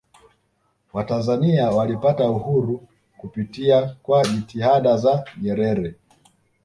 watanzania walipata uhuru kupitia kwa jitihada za nyerere